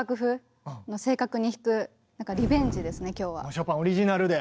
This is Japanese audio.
ショパンオリジナルで。